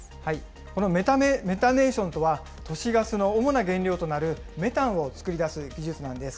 このメタネーションとは、都市ガスの主な原料となるメタンを作り出す技術なんです。